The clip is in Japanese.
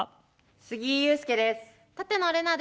杉井勇介です。